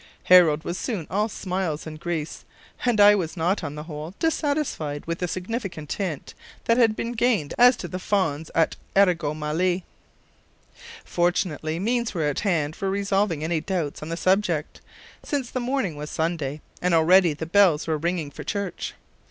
Harold was soon all smiles and grease; and I was not, on the whole, dissatisfied with the significant hint that had been gained as to the fons et origo mali. Fortunately, means were at hand for resolving any doubts on the subject, since the morning was Sunday, and already the bells were ringing for church.